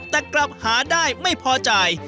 แต่กลับหาได้ไม่พอใจ